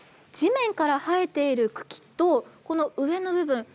地面から生えている茎とこの上の部分。